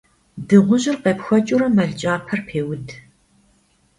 Дыгъужьыр къепхуэкӀыурэ мэл кӀапэр пеуд.